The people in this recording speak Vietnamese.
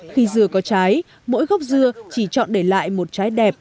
khi dưa có trái mỗi gốc dưa chỉ chọn để lại một trái đẹp